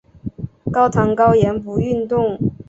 高糖高盐不运动